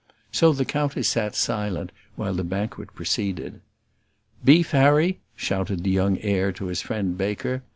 So the countess sat silent while the banquet proceeded. "Beef, Harry?" shouted the young heir to his friend Baker.